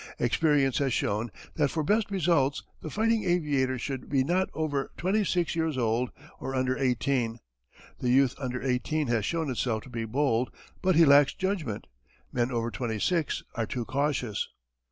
Experience has shown that for best results the fighting aviator should be not over twenty six years old or under eighteen. The youth under eighteen has shown himself to be bold, but he lacks judgment. Men over twenty six are too cautious.